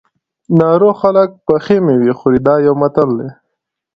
ناروغ خلک پخې مېوې خوري دا یو متل دی.